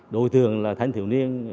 đội thường là thanh thiểu niên